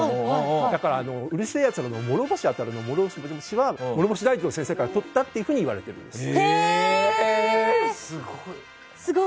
だから、「うる星やつら」の諸星あたるの「諸星」は諸星大二郎先生からとったといわれているんです。